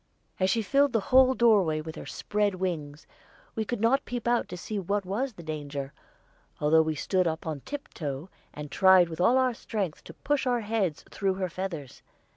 As she filled the whole doorway with her spread wings, we could not peep out to see what was the danger, although we stood on tiptoe and tried with all our strength to push our heads through her feathers.